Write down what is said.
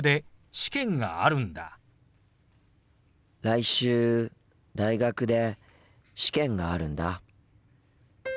来週大学で試験があるんだ。